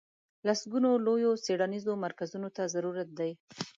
لسګونو لویو څېړنیزو مرکزونو ته ضرورت دی.